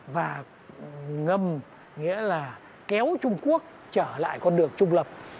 và ngầm nghĩa là kéo trung quốc trở lại con đường trung lập